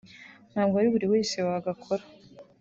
ntabwo ari buri wese wagakora